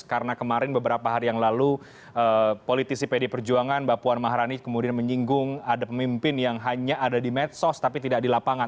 karena kemarin beberapa hari yang lalu politisi pd perjuangan mbak puan maharani kemudian menyinggung ada pemimpin yang hanya ada di medsos tapi tidak di lapangan